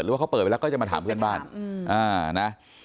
ว่าเขาเปิดไปแล้วก็จะมาถามเพื่อนบ้านนะ